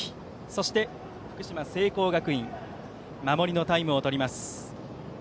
そして、福島・聖光学院守りのタイムを取ります。